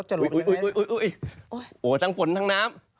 โอ้โฮโอ้โฮทั้งฝนทั้งน้ำ